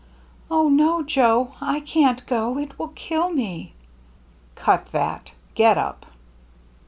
"Oh, no, Joe! I can't go! It will kill me!'* "Cut that — get up!"